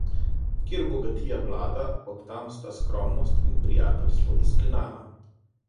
Kjer bogatija vlada, od tam sta skromnost in prijateljstvo izgnana.